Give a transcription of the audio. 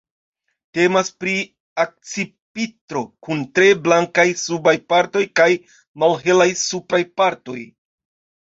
Temas pri akcipitro kun tre blankaj subaj partoj kaj malhelaj supraj partoj.